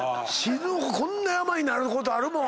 こんな山になることあるもん。